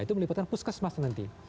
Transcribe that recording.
itu melibatkan puskesmas nanti